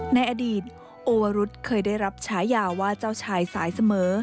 ในอดีตโอวรุษเคยได้รับฉายาว่าเจ้าชายสายเสมอ